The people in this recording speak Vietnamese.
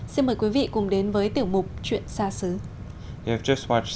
xin mời quý vị cùng đến với tiểu mục chuyện xa xứ